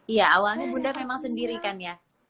iya awalnya bunda memang sendirikan ya